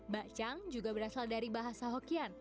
bacang juga berasal dari bahasa hokian